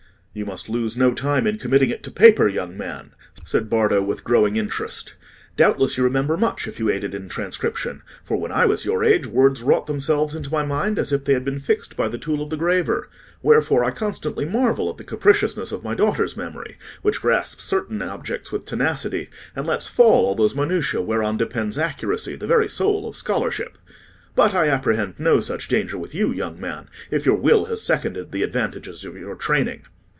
"You must lose no time in committing it to paper, young man," said Bardo, with growing interest. "Doubtless you remember much, if you aided in transcription; for when I was your age, words wrought themselves into my mind as if they had been fixed by the tool of the graver; wherefore I constantly marvel at the capriciousness of my daughter's memory, which grasps certain objects with tenacity, and lets fall all those minutiae whereon depends accuracy, the very soul of scholarship. But I apprehend no such danger with you, young man, if your will has seconded the advantages of your training."